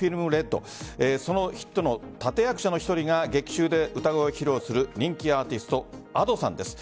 その人の立役者の１人が劇中で歌声を披露する人気アーティストＡｄｏさんです。